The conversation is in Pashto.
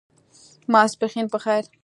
ماسپښېن په خیر !